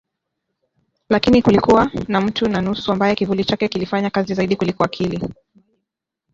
Lakini kulikuwa na mtu na nusu ambaye kivuli chake kilifanya kazi zaidi kuliko akili